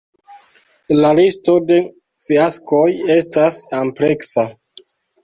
La listo de fiaskoj estas ampleksa.